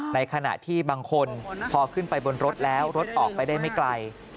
ในขณะที่บางคนพอขึ้นไปบนรถแล้วรถออกไปได้ไม่ไกล